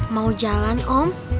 mau jalan om